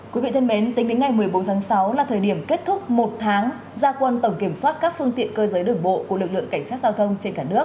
quý vị thân mến tính đến ngày một mươi bốn tháng sáu là thời điểm kết thúc một tháng gia quân tổng kiểm soát các phương tiện cơ giới đường bộ của lực lượng cảnh sát giao thông trên cả nước